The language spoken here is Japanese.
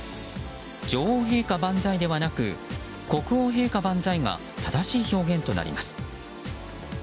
女王陛下万歳ではなく国王陛下万歳が正しい表現となります。